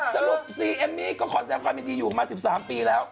สรุปซีเอ็มมี่กอบคอสแซมความมิดีอยู่มา๑๓ปีแล้ว